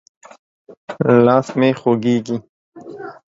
لاس مې خوږېږي.